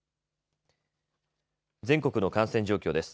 全国の感染状況です。